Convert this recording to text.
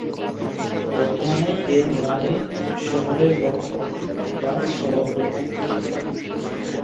বর্তমানে এর মানে "শহরের রক্ষক" বা শহর-প্রধান।